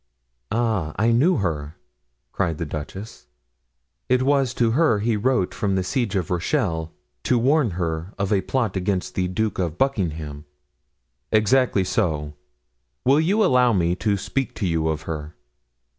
"Ah, I knew her!" cried the duchess. "It was to her he wrote from the siege of Rochelle, to warn her of a plot against the Duke of Buckingham." "Exactly so; will you allow me to speak to you of her?"